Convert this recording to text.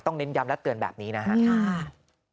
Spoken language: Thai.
เน้นย้ำและเตือนแบบนี้นะครับ